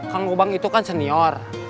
kang ubang itu kan senior